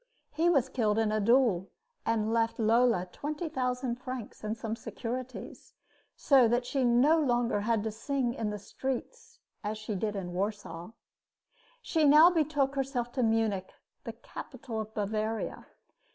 He was killed in a duel and left Lola twenty thousand francs and some securities, so that she no longer had to sing in the streets as she did in Warsaw. She now betook herself to Munich, the capital of Bavaria.